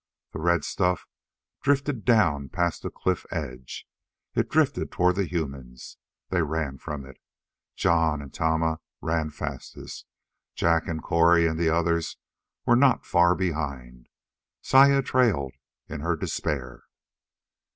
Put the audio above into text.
The red stuff drifted down past the cliff edge. It drifted toward the humans. They ran from it. Jon and Tama ran fastest. Jak and Cori and the other were not far behind. Saya trailed, in her despair.